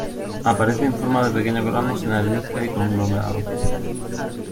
Aparece en forma de pequeños granos en areniscas y en conglomerados.